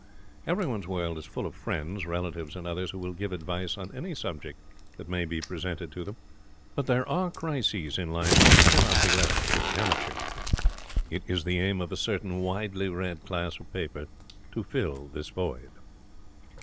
Everyone's world is full of friends, relatives, and others, who will give advice on any subject that may be presented to them; but there are crises in life which cannot be left to the amateur. It is the aim of a certain widely read class of paper to fill this void.